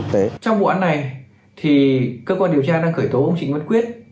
trong bộ án này cơ quan điều tra đang khởi tố ông trịnh văn quyết